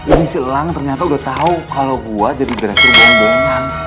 ini si elang ternyata udah tau kalo gua jadi director dihubungan